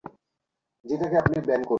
তেমন কিছুই দেখছি না।